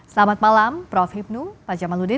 selamat malam prof hipnu pak jamaludin